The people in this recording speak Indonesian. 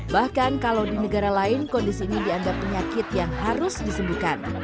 bahkan kalau di negara lain kondisi ini dianggap penyakit yang harus disembuhkan